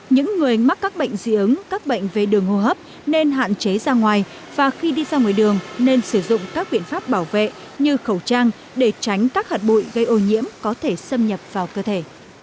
những người mắc các bệnh dị ứng các bệnh về đường hô hấp nên hạn chế ra ngoài và khi đi ra ngoài đường nên sử dụng các biện pháp bảo vệ như khẩu trang để tránh các hạt bụi gây ô nhiễm có thể xâm nhập vào cơ thể